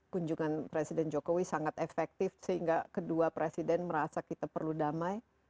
kunjungan presiden jokowi sangat efektif sehingga kedua presiden merasa kita perlu damai